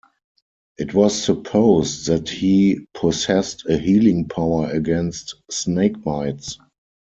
It was supposed that he possessed a healing power against snake bites.